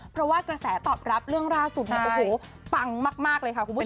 เพราะว่ากระแสตอบรับเรื่องล่าสุดเนี่ยโอ้โหปังมากเลยค่ะคุณผู้ชม